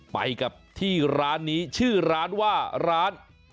ไปกับที่ร้านนี้ชื่อร้านว่าร้าน